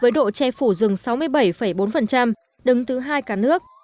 với độ che phủ rừng sáu mươi bảy bốn đứng thứ hai cả nước